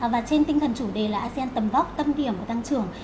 và trên tinh thần chủ đề là asean tầm vóc tâm điểm của tăng trưởng